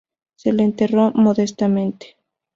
Se le enterró modestamente.